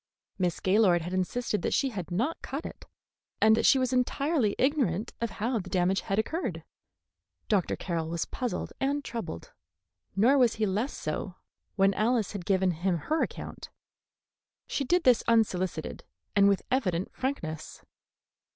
Miss Gaylord had insisted that she had not cut it, and that she was entirely ignorant of how the damage had occurred. Dr. Carroll was puzzled and troubled, nor was he less so when Alice had given him her account. She did this unsolicited, and with evident frankness.